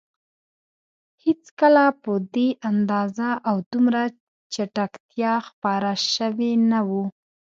هېڅکله په دې اندازه او دومره چټکتیا خپاره شوي نه وو.